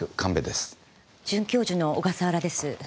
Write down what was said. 准教授の小笠原です。